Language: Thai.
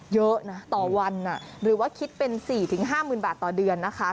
เยอะนะต่อวันหรือว่าคิดเป็น๔๕๐๐๐บาทต่อเดือนนะคะ